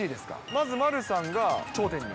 まず丸さんが頂点に。